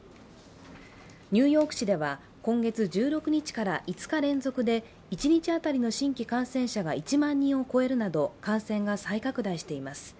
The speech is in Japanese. ニューヨーク市では今月１６日から５日連続で、一日当たりの新規感染者が１万人を超えるなど感染が再拡大しています。